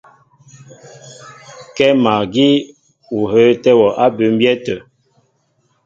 Kɛ́ magí ó hə́ə́tɛ́ wɔ á bʉmbyɛ́ tə̂.